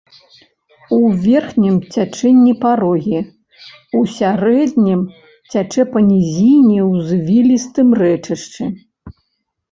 У верхнім цячэнні парогі, у сярэднім цячэ па нізіне ў звілістым рэчышчы.